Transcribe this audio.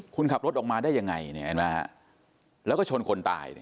คุณขับรถออกมาได้ยังไงแล้วก็ชนคนตาย